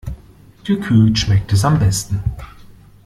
Gekühlt schmeckt es am besten.